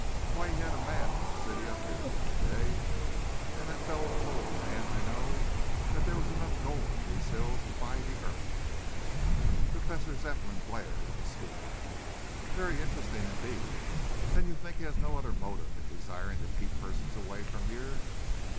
Why he had a man from the city up here the other day and the fellow told a man I know that there was gold enough in these hills to buy the earth." Professor Zepplin glared at the speaker. "Very interesting, indeed. Then you think he has no other motive in desiring to keep persons away from here?"